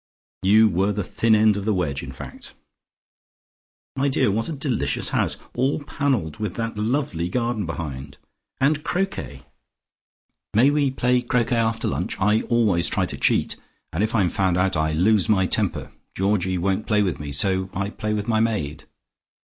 You were the thin edge of the wedge, in fact. My dear, what a delicious house. All panelled, with that lovely garden behind. And croquet may we play croquet after lunch? I always try to cheat, and if I'm found out I lose my temper. Georgie won't play with me, so I play with my maid."